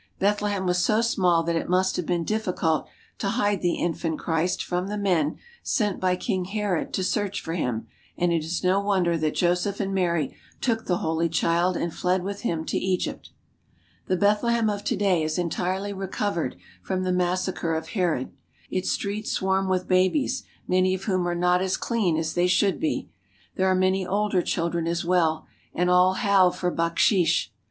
Bethlehem was so small that it must have been difficult to hide the infant Christ from the men sent by King Herod to search for Him, and it is no wonder that Joseph and Mary took the Holy Child and fled with Him to Egypt. The Bethlehem of to day has entirely recovered from the massacre of Herod. Its streets swarm with babies many of whom are not as clean as they should be. There are many older children as well, and all howl for bak sheesh.